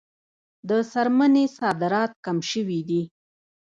د څرمنې صادرات کم شوي دي